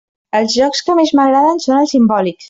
Els jocs que més m'agraden són els simbòlics.